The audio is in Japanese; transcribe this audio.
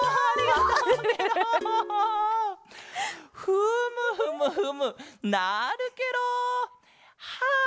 フムフムフムなるケロ！はあ